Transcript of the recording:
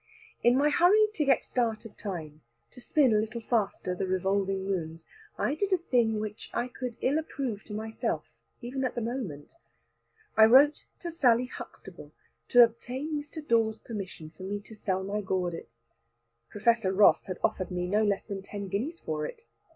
In my hurry to get start of time, to spin a little faster the revolving moons, I did a thing which I could ill approve to myself, even at the moment. I wrote to Sally Huxtable to obtain Mr. Dawe's permission for me to sell my gordit. Professor Ross had offered me no less than ten guineas for it.